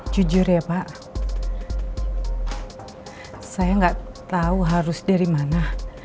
jujur ya pak saya nggak tahu harus dari mana